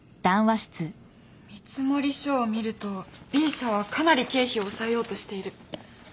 見積書を見るとＢ社はかなり経費を抑えようとしている。